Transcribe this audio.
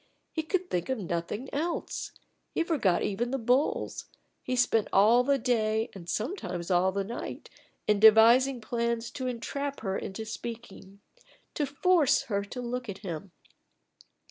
He could think of nothing else; he forgot even the bulls; he spent all the day and sometimes all the night in devising plans to entrap her into speaking, to force her to look at him.